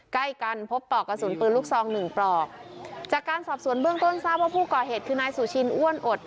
ใกล้กันพบปลอกกระสุนปืนลูกซองหนึ่งปลอกจากการสอบสวนเบื้องต้นทราบว่าผู้ก่อเหตุคือนายสุชินอ้วนอด